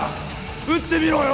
撃ってみろよ